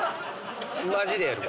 マジでやるわ。